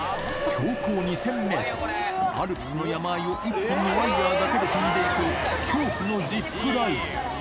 標高２０００メートル、アルプスの山あいを一本のワイヤーだけで飛んでいく、恐怖のジップライン。